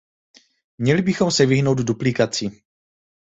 Měli bychom se vyhnout duplikaci.